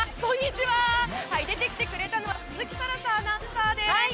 出てきてくれたのは鈴木新彩アナウンサーです。